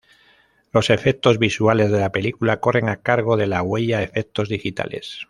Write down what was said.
Los efectos visuales de la película corren a cargo de "La Huella Efectos Digitales".